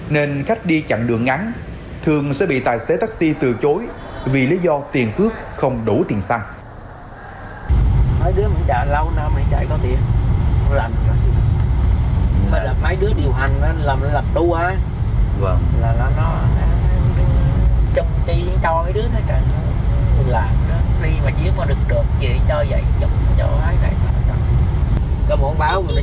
nên khách đi chặng đường ngắn thường sẽ bị tài xế taxi từ chối vì lý do tiền cước không đủ tiền xăng